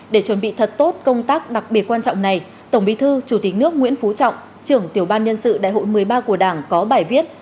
để chuẩn bị thật tốt công tác đặc biệt quan trọng này tổng bí thư chủ tịch nước nguyễn phú trọng trưởng tiểu ban nhân sự đại hội một mươi ba của đảng có bài viết